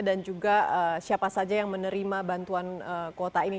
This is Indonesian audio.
dan juga siapa saja yang menerima bantuan kuota ini